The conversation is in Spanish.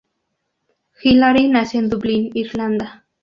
Hilary nació en Dublín, Irlanda.